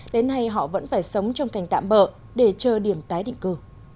đến nay họ vẫn phải sống trong cành tạm bỡ để chờ điểm tái định cư